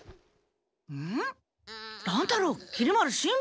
ん？